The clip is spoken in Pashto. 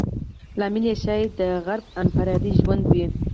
لامل یې ښایي د غرب انفرادي ژوند وي.